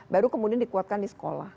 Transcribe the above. baru kemudian dikuatkan di sekolah